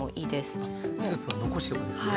スープは残しておくんですね。